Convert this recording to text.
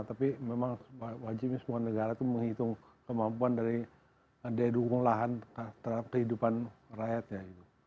tapi memang wajibnya semua negara itu menghitung kemampuan dari daya dukung lahan terhadap kehidupan rakyatnya